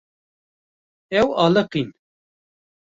Ew aliqîn.